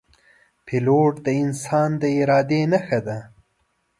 پیلوټ د انسان د ارادې نښه ده.